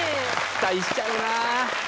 期待しちゃうなぁ